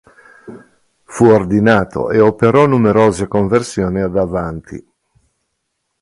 Fu ordinato e operò numerose conversioni ad Avanti.